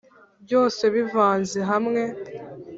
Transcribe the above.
byose bivanze hamwe,